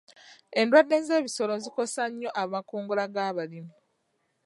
Endwadde z'ebisolo zikosa nnyo amakungula g'abalimi.